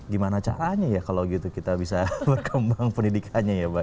gimana caranya ya kalau gitu kita bisa berkembang pendidikannya ya mbak